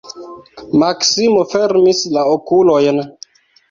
Maksimo fermis la okulojn.